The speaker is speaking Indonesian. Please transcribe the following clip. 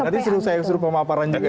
nanti disuruh saya disuruh pemahaman juga